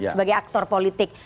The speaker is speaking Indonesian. sebagai aktor politik